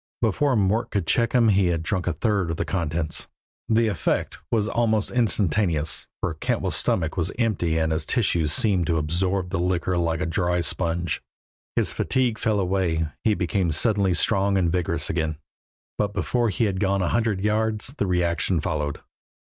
Before Mort could check him he had drunk a third of the contents. The effect was almost instantaneous, for Cantwell's stomach was empty and his tissues seemed to absorb the liquor like a dry sponge; his fatigue fell away, he became suddenly strong and vigorous again. But before he had gone a hundred yards the reaction followed.